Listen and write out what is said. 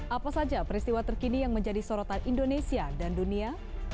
apa saja peristiwa terkini yang menjadi sorotan indonesia dan dunia